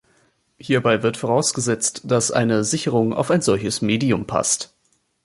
Hierbei wird vorausgesetzt, dass eine Sicherung auf ein solches Medium passt.